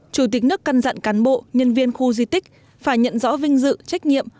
chủ tịch nước căn dặn cán bộ nhân viên khu di tích phải nhận rõ vinh dự trách nhiệm